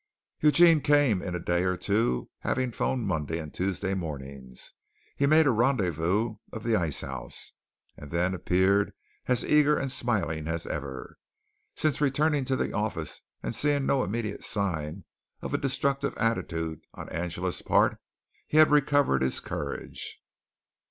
Eugene came in a day or two, having phoned Monday and Tuesday mornings. He made a rendezvous of the ice house, and then appeared as eager and smiling as ever. Since returning to the office and seeing no immediate sign of a destructive attitude on Angela's part, he had recovered his courage.